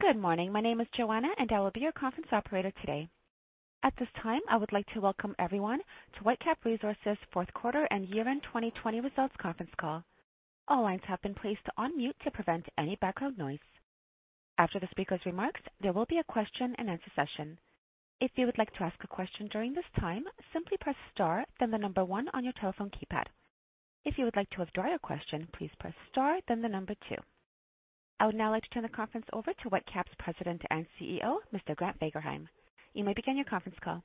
Good morning. My name is [Joanna], and I will be your conference operator today. At this time, I would like to welcome everyone to Whitecap Resources' fourth quarter and year-end 2020 results conference call. All lines have been placed on mute to prevent any background noise. After the speaker's remarks, there will be a question-and-answer session. If you would like to ask a question during this time, simply press star, then the number one on your telephone keypad. If you would like to withdraw your question, please press star, then the number two. I would now like to turn the conference over to Whitecap's President and CEO, Mr. Grant Fagerheim. You may begin your conference call.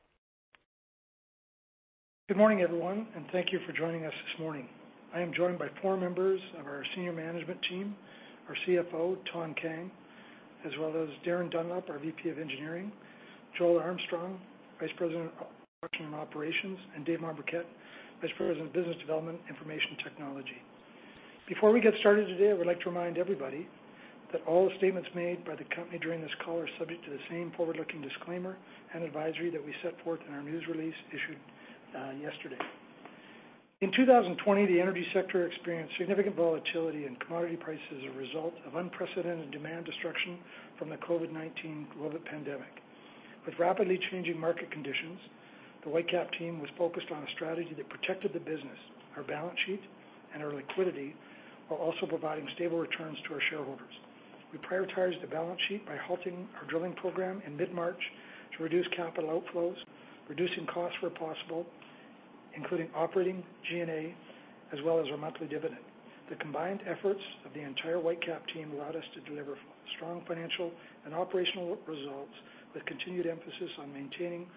Good morning, everyone, and thank you for joining us this morning. I am joined by four members of our senior management team, our CFO, Thanh Kang, as well as Darin Dunlop, our VP of Engineering, Joel Armstrong, Vice President of Production and Operations, and Dave Mombourquette, Vice President of Business Development and Information Technology. Before we get started today, I would like to remind everybody that all statements made by the company during this call are subject to the same forward-looking disclaimer and advisory that we set forth in our news release issued yesterday. In 2020, the energy sector experienced significant volatility in commodity prices as a result of unprecedented demand destruction from the COVID-19 global pandemic. With rapidly changing market conditions, the Whitecap team was focused on a strategy that protected the business, our balance sheet, and our liquidity while also providing stable returns to our shareholders. We prioritized the balance sheet by halting our drilling program in mid-March to reduce capital outflows, reducing costs where possible, including operating G&A, as well as our monthly dividend. The combined efforts of the entire Whitecap team allowed us to deliver strong financial and operational results with continued emphasis on maintaining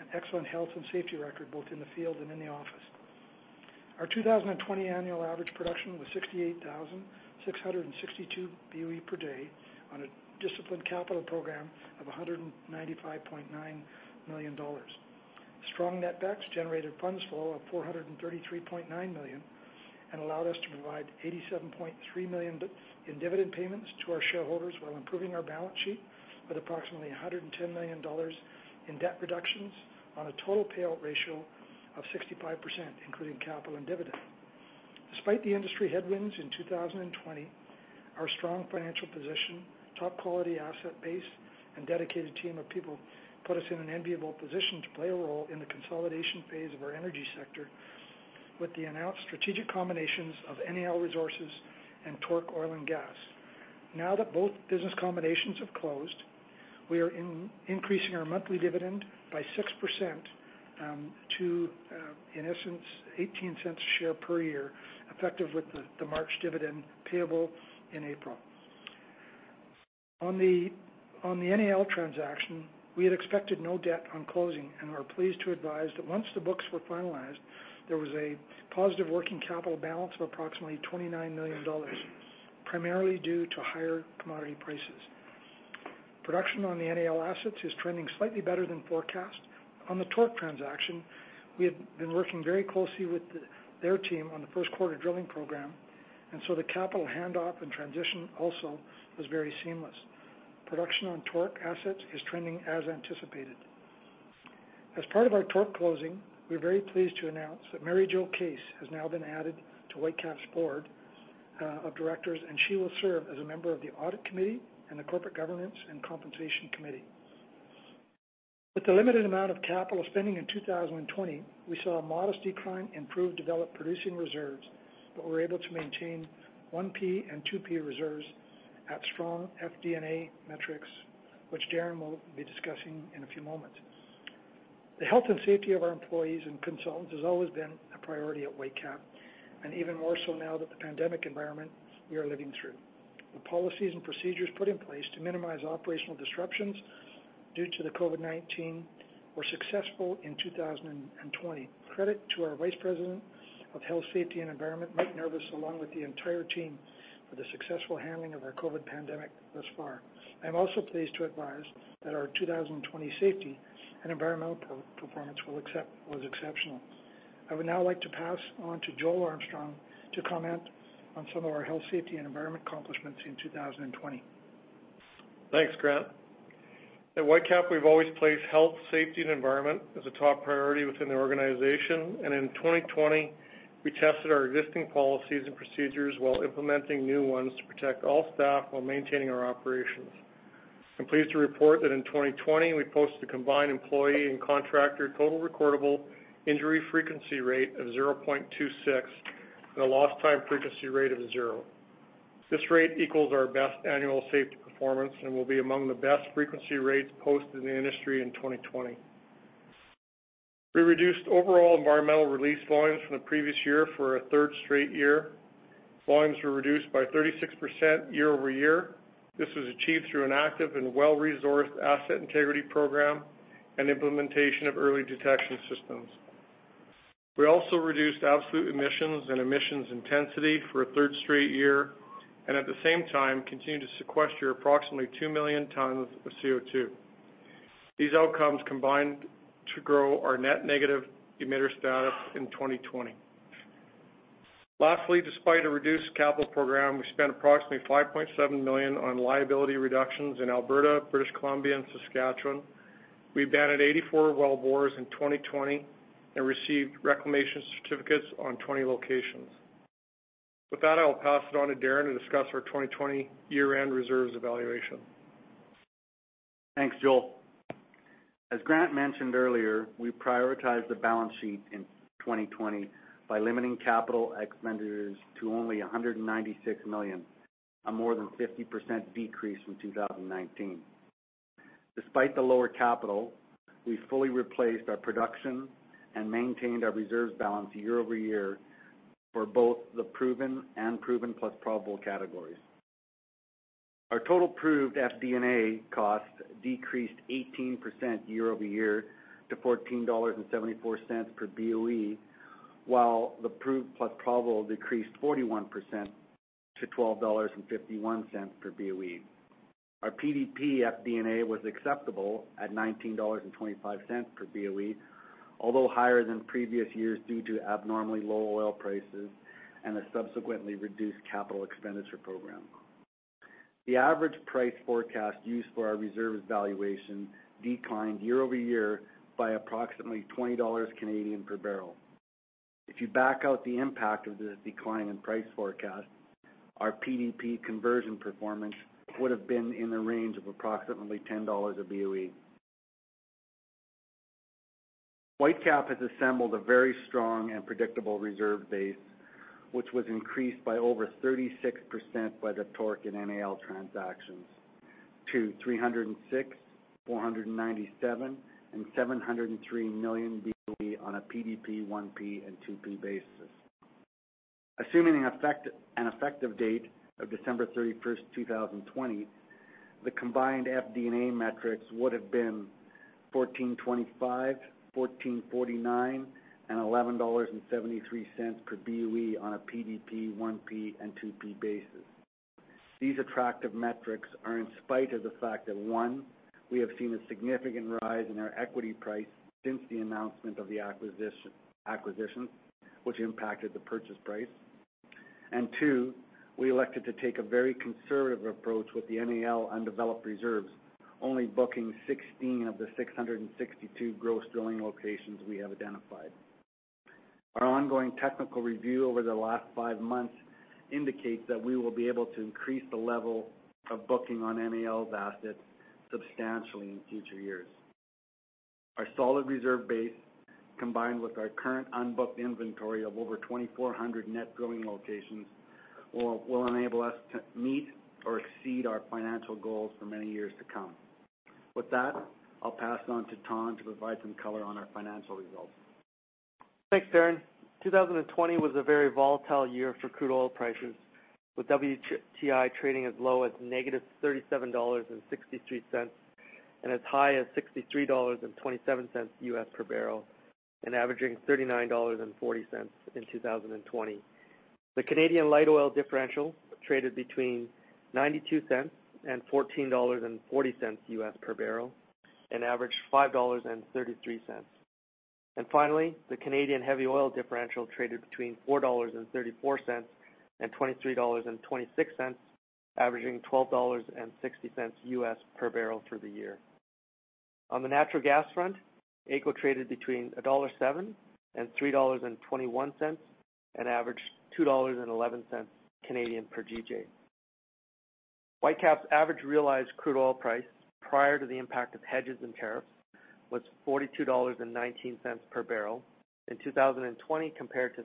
an excellent health and safety record both in the field and in the office. Our 2020 annual average production was 68,662 BOE per day on a disciplined capital program of 195.9 million dollars. Strong netbacks generated funds flow of 433.9 million and allowed us to provide 87.3 million in dividend payments to our shareholders while improving our balance sheet with approximately 110 million dollars in debt reductions on a total payout ratio of 65%, including capital and dividend. Despite the industry headwinds in 2020, our strong financial position, top-quality asset base, and dedicated team of people put us in an enviable position to play a role in the consolidation phase of our energy sector with the announced strategic combinations of NAL Resources and TORC Oil & Gas. Now that both business combinations have closed, we are increasing our monthly dividend by 6% to, in essence, 18 cents a share per year, effective with the March dividend payable in April. On the NAL transaction, we had expected no debt on closing and are pleased to advise that once the books were finalized, there was a positive working capital balance of approximately 29 million dollars, primarily due to higher commodity prices. Production on the NAL assets is trending slightly better than forecast. On the TORC transaction, we have been working very closely with their team on the first quarter drilling program, and so the capital handoff and transition also was very seamless. Production on TORC assets is trending as anticipated. As part of our TORC closing, we're very pleased to announce that Mary-Jo Case has now been added to Whitecap's board of directors, and she will serve as a member of the audit committee and the corporate governance and compensation committee. With the limited amount of capital spending in 2020, we saw a modest decline in proved developed producing reserves but were able to maintain 1P and 2P reserves at strong FD&A metrics, which Darin will be discussing in a few moments. The health and safety of our employees and consultants has always been a priority at Whitecap, and even more so now that the pandemic environment we are living through. The policies and procedures put in place to minimize operational disruptions due to the COVID-19 were successful in 2020. Credit to our Vice President of Health, Safety, and Environment, Mike Nerbas, along with the entire team, for the successful handling of our COVID pandemic thus far. I'm also pleased to advise that our 2020 safety and environmental performance was exceptional. I would now like to pass on to Joel Armstrong to comment on some of our health, safety, and environment accomplishments in 2020. Thanks, Grant. At Whitecap, we've always placed health, safety, and environment as a top priority within the organization, and in 2020, we tested our existing policies and procedures while implementing new ones to protect all staff while maintaining our operations. I'm pleased to report that in 2020, we posted a combined employee and contractor total recordable injury frequency rate of 0.26 and a lost time frequency rate of zero. This rate equals our best annual safety performance and will be among the best frequency rates posted in the industry in 2020. We reduced overall environmental release volumes from the previous year for a third straight year. Volumes were reduced by 36% year-over-year. This was achieved through an active and well-resourced asset integrity program and implementation of early detection systems. We also reduced absolute emissions and emissions intensity for a third straight year and, at the same time, continued to sequester approximately two million tons of CO2. These outcomes combined to grow our net negative emitter status in 2020. Lastly, despite a reduced capital program, we spent approximately 5.7 million on liability reductions in Alberta, British Columbia, and Saskatchewan. We abandoned 84 wellbores in 2020 and received reclamation certificates on 20 locations. With that, I will pass it on to Darin to discuss our 2020 year-end reserves evaluation. Thanks, Joel. As Grant mentioned earlier, we prioritized the balance sheet in 2020 by limiting capital expenditures to only 196 million, a more than 50% decrease from 2019. Despite the lower capital, we fully replaced our production and maintained our reserves balance year-over-year for both the proved and proved plus probable categories. Our total proved FD&A cost decreased 18% year-over-year to $14.74 per BOE, while the proved plus probable decreased 41% to $12.51 per BOE. Our PDP FD&A was acceptable at $19.25 per BOE, although higher than previous years due to abnormally low oil prices and a subsequently reduced capital expenditure program. The average price forecast used for our reserves valuation declined year-over-year by approximately 20 Canadian dollars per barrel. If you back out the impact of this decline in price forecast, our PDP conversion performance would have been in the range of approximately 10 dollars a BOE. Whitecap has assembled a very strong and predictable reserve base, which was increased by over 36% by the TORC and NAL transactions to 306, 497, and 703 million BOE on a PDP 1P and 2P basis. Assuming an effective date of December 31st, 2020, the combined FD&A metrics would have been CAD 14.25, CAD 14.49, and CAD 11.73 per BOE on a PDP 1P and 2P basis. These attractive metrics are in spite of the fact that, one, we have seen a significant rise in our equity price since the announcement of the acquisition, which impacted the purchase price, and two, we elected to take a very conservative approach with the NAL undeveloped reserves, only booking 16 of the 662 gross drilling locations we have identified. Our ongoing technical review over the last five months indicates that we will be able to increase the level of booking on NAL's assets substantially in future years. Our solid reserve base, combined with our current unbooked inventory of over 2,400 net drilling locations, will enable us to meet or exceed our financial goals for many years to come. With that, I'll pass on to Thanh to provide some color on our financial results. Thanks, Darin. 2020 was a very volatile year for crude oil prices, with WTI trading as low as negative $37.63 and as high as $63.27 US per barrel, and averaging $39.40 in 2020. The Canadian light oil differential traded between $0.92 and $14.40 US per barrel and averaged $5.33. And finally, the Canadian heavy oil differential traded between $4.34 and $23.26, averaging $12.60 US per barrel for the year. On the natural gas front, AECO traded between $1.07 and $3.21 and averaged $2.11 Canadian per GJ. Whitecap's average realized crude oil price prior to the impact of hedges and tariffs was $42.19 per barrel in 2020, compared to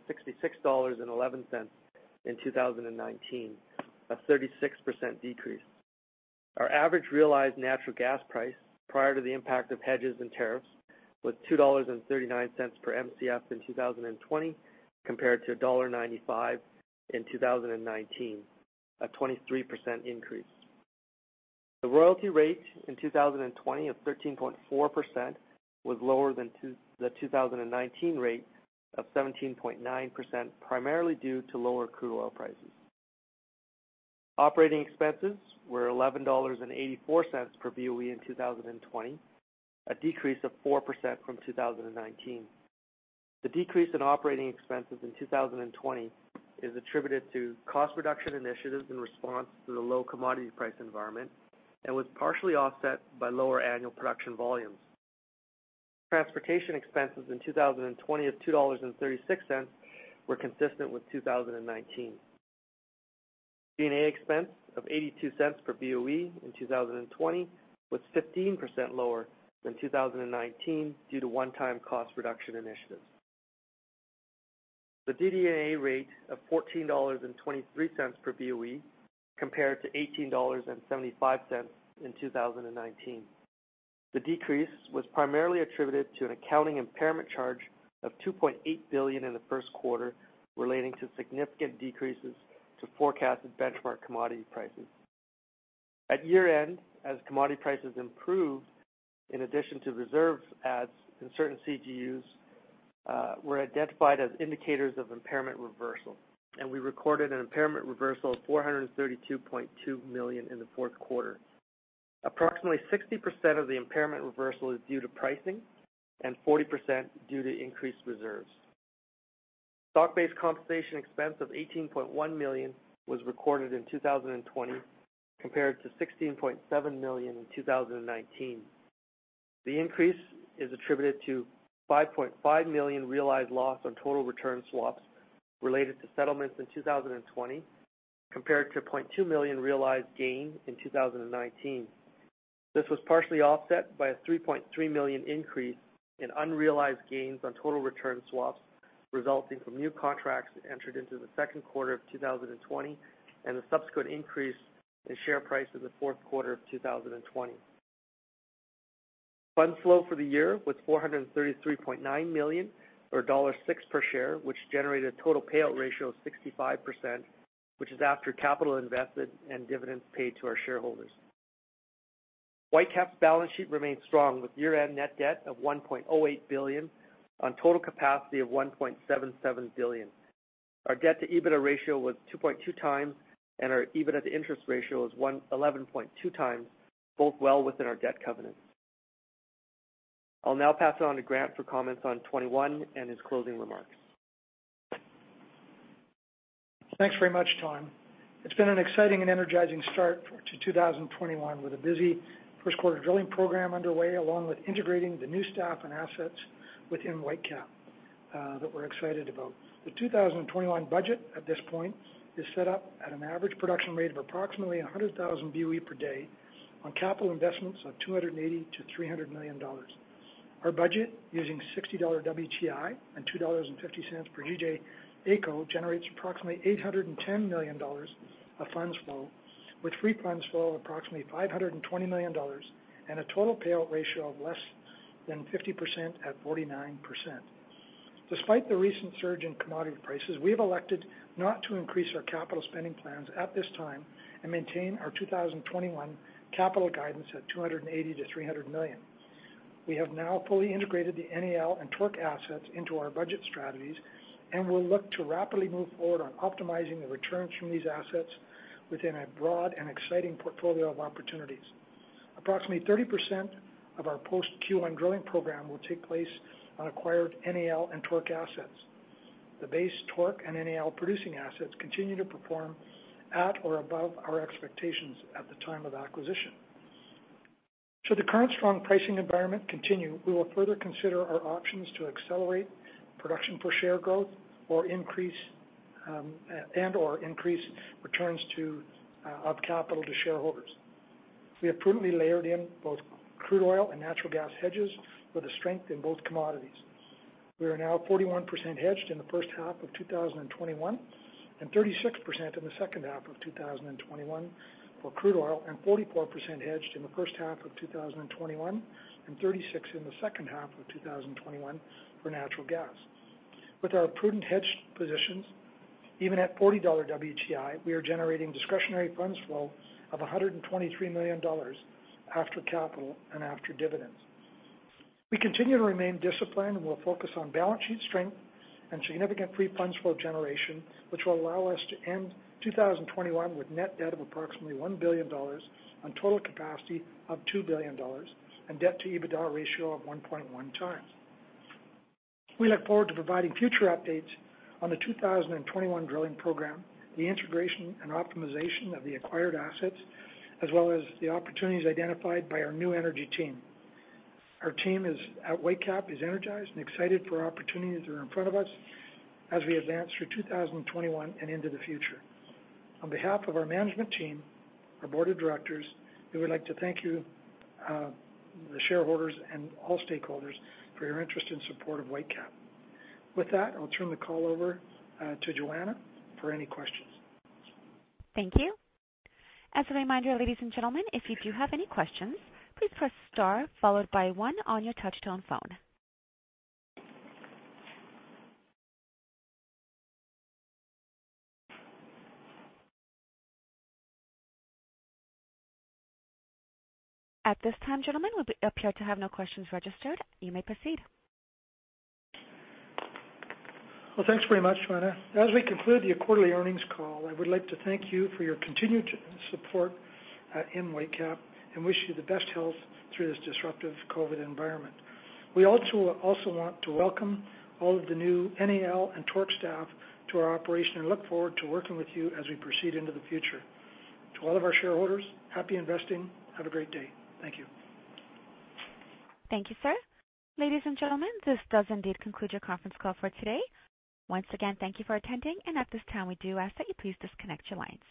$66.11 in 2019, a 36% decrease. Our average realized natural gas price prior to the impact of hedges and tariffs was $2.39 per MCF in 2020, compared to $1.95 in 2019, a 23% increase. The royalty rate in 2020 of 13.4% was lower than the 2019 rate of 17.9%, primarily due to lower crude oil prices. Operating expenses were $11.84 per BOE in 2020, a decrease of 4% from 2019. The decrease in operating expenses in 2020 is attributed to cost reduction initiatives in response to the low commodity price environment and was partially offset by lower annual production volumes. Transportation expenses in 2020 of $2.36 were consistent with 2019. G&A expense of $0.82 per BOE in 2020 was 15% lower than 2019 due to one-time cost reduction initiatives. The DD&A rate of $14.23 per BOE compared to $18.75 in 2019. The decrease was primarily attributed to an accounting impairment charge of 2.8 billion in the first quarter, relating to significant decreases to forecasted benchmark commodity prices. At year-end, as commodity prices improved, in addition to reserves adds in certain CGUs, were identified as indicators of impairment reversal, and we recorded an impairment reversal of 432.2 million in the fourth quarter. Approximately 60% of the impairment reversal is due to pricing and 40% due to increased reserves. Stock-based compensation expense of 18.1 million was recorded in 2020, compared to 16.7 million in 2019. The increase is attributed to 5.5 million realized loss on total return swaps related to settlements in 2020, compared to 0.2 million realized gain in 2019. This was partially offset by a 3.3 million increase in unrealized gains on total return swaps resulting from new contracts entered into the second quarter of 2020 and the subsequent increase in share price in the fourth quarter of 2020. Funds flow for the year was 433.9 million or dollar 6 per share, which generated a total payout ratio of 65%, which is after capital invested and dividends paid to our shareholders. Whitecap's balance sheet remained strong, with year-end net debt of 1.08 billion on total capacity of 1.77 billion. Our debt-to-EBITDA ratio was 2.2 times, and our EBITDA-to-interest ratio was 11.2 times, both well within our debt covenants. I'll now pass it on to Grant for comments on 2021 and his closing remarks. Thanks very much, Thanh. It's been an exciting and energizing start to 2021, with a busy first quarter drilling program underway, along with integrating the new staff and assets within Whitecap that we're excited about. The 2021 budget at this point is set up at an average production rate of approximately 100,000 BOE per day on capital investments of $280 million-$300 million. Our budget, using $60 WTI and $2.50 per GJ AECO, generates approximately $810 million of funds flow, with free funds flow of approximately $520 million and a total payout ratio of less than 50% at 49%. Despite the recent surge in commodity prices, we have elected not to increase our capital spending plans at this time and maintain our 2021 capital guidance at $280 million-$300 million. We have now fully integrated the NAL and TORC assets into our budget strategies and will look to rapidly move forward on optimizing the returns from these assets within a broad and exciting portfolio of opportunities. Approximately 30% of our post-Q1 drilling program will take place on acquired NAL and TORC assets. The base TORC and NAL producing assets continue to perform at or above our expectations at the time of acquisition. Should the current strong pricing environment continue, we will further consider our options to accelerate production per share growth and/or increase returns of capital to shareholders. We have prudently layered in both crude oil and natural gas hedges with a strength in both commodities. We are now 41% hedged in the first half of 2021 and 36% in the second half of 2021 for crude oil, and 44% hedged in the first half of 2021 and 36% in the second half of 2021 for natural gas. With our prudent hedged positions, even at $40 WTI, we are generating discretionary funds flow of $123 million after capital and after dividends. We continue to remain disciplined and will focus on balance sheet strength and significant free funds flow generation, which will allow us to end 2021 with net debt of approximately $1 billion on total capacity of $2 billion and debt-to-EBITDA ratio of 1.1 times. We look forward to providing future updates on the 2021 drilling program, the integration and optimization of the acquired assets, as well as the opportunities identified by our new energy team. Our team at Whitecap is energized and excited for opportunities that are in front of us as we advance through 2021 and into the future. On behalf of our management team, our board of directors, we would like to thank you, the shareholders, and all stakeholders for your interest and support of Whitecap. With that, I'll turn the call over to [Joanna] for any questions. Thank you. As a reminder, ladies and gentlemen, if you do have any questions, please press star followed by one on your touch-tone phone. At this time, gentlemen, we appear to have no questions registered. You may proceed. Well, thanks very much, [Joanna]. As we conclude the quarterly earnings call, I would like to thank you for your continued support in Whitecap and wish you the best health through this disruptive COVID environment. We also want to welcome all of the new NAL and TORC staff to our operation and look forward to working with you as we proceed into the future. To all of our shareholders, happy investing. Have a great day. Thank you. Thank you, sir. Ladies and gentlemen, this does indeed conclude your conference call for today. Once again, thank you for attending, and at this time, we do ask that you please disconnect your lines.